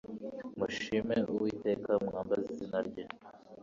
nimushime uwiteka mwambaze izina rye